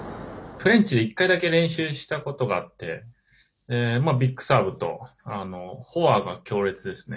フレンチで１回だけ練習したことがあってビッグサーブとフォアが強烈ですね。